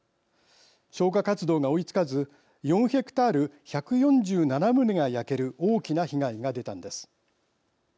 消火活動が追いつかず４ヘクタール１４７棟が焼ける大きな被害が出たんです。